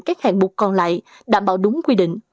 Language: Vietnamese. các hạng mục còn lại đảm bảo đúng quy định